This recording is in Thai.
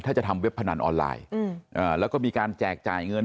ถ้าจะทำเว็บพนันออนไลน์แล้วก็มีการแจกจ่ายเงิน